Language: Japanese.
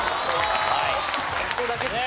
ここだけでした。